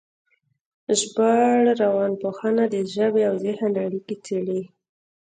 ژبارواپوهنه د ژبې او ذهن اړیکې څېړي